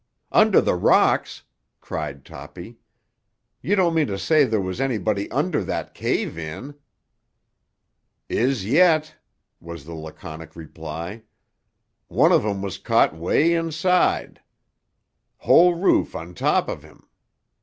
"Under the rocks!" cried Toppy. "You don't mean to say there was anybody under that cave in!" "Is yet," was the laconic reply. "One of 'em was caught 'way inside. Whole roof on top of him.